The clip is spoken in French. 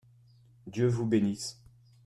Dieu vous bénisse.